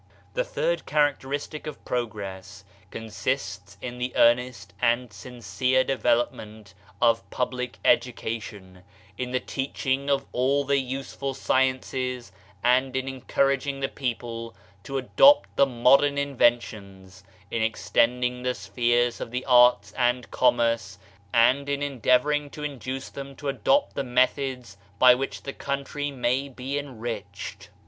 The third characteristic of progress consists in the earnest and sincere development of public edu cation, in the teaching of all the useful sciences and in encouraging the people to adopt the modern inventions, in extending the spheres of the arts and commerce, and in endeavoring to induce them to adopt the methods by which the country may be enriched.